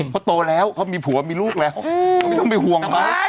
เขาโตแล้วเขามีผัวมีลูกแล้วไม่ต้องไปห่วงเขา